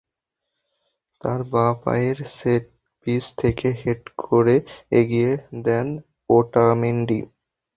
তাঁর বাঁ পায়ের সেট পিস থেকে হেড করে এগিয়ে দেন ওটামেন্ডি।